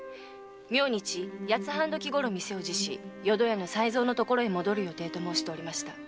明日八つ半刻ごろ店を辞し淀屋の才蔵のところへ戻る予定と申しておりました。